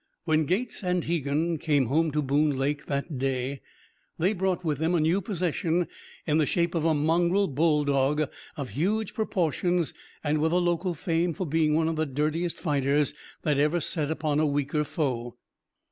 When Gates and Hegan came home to Boone Lake that day they brought with them a new possession in the shape of a mongrel bulldog of huge proportions and with a local fame for being one of the "dirtiest" fighters that ever set upon a weaker foe.